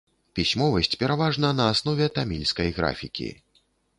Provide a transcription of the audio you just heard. Пісьмовасць пераважна на аснове тамільскай графікі.